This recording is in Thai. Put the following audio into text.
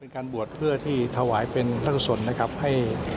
การบวชเพื่อที่ถวายเป็นพระกุศลนะครับให้